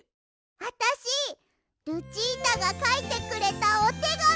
あたしルチータがかいてくれたおてがみ